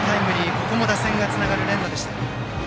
ここも打線がつながる連打でした。